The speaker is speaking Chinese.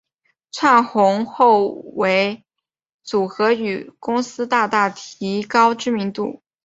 窜红后为组合与公司大大提高知名度。